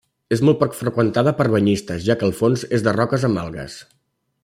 És molt poc freqüentada per banyistes, ja que el fons és de roques amb algues.